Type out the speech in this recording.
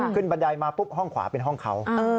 บันไดมาปุ๊บห้องขวาเป็นห้องเขา